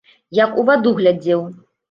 Як у ваду глядзеў.